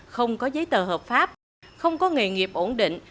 không có giấy tờ hợp pháp không có nghề nghiệp ổn định